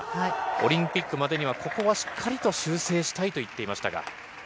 オリンピックまでにはここはしっかりと修整したいと言っていましたが。